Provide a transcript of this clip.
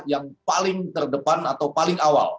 yang paling terdepan atau paling awal